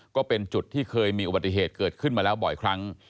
ก็เป็นจุดที่เคยมีอุบัติเหตุเกิดขึ้นมาแล้วบ่อยครั้ง